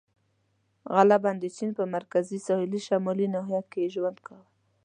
• غالباً د چین په مرکزي ساحلي شمالي ناحیه کې یې ژوند کاوه.